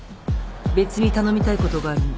別に頼みたいことがあるの。